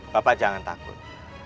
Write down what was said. bapak jangan takut